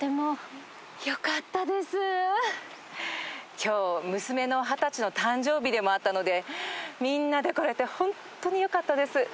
今日娘の二十歳の誕生日でもあったのでみんなで来れてホントによかったです。